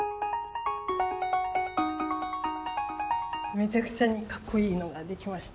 めちゃくちゃにカッコいいのができました。